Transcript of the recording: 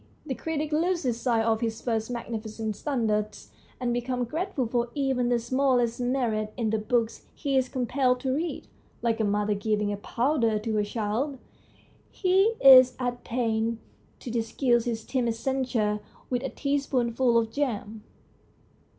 The critic 136 THE STOKY OF A BOOK loses sight of his first magnificent standards, and becomes grateful for even the smallest merit in the books he is compelled to read. Like a mother giving a powder to her child, he is at pains to disguise his timid censure with a teaspoonful of jam.